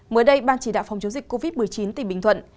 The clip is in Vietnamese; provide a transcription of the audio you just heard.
mới đây ban chỉ đạo phòng chống dịch covid một mươi chín tỉnh bình thuận